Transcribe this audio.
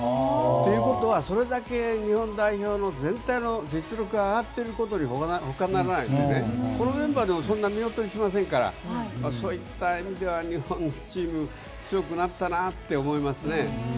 ということはそれだけ日本代表の全体の実力が上がっていることにほかならないのでこのメンバーでもそんなに見劣りしませんからそういった意味では日本チーム強くなったなって思いますね。